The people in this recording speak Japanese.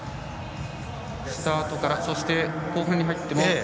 スタートから後半に入っても。